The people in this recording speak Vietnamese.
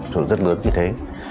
số rất lớn như thế